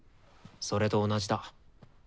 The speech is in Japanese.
それと同じだ。